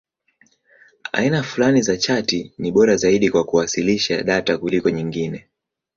Aina fulani za chati ni bora zaidi kwa kuwasilisha data kuliko nyingine.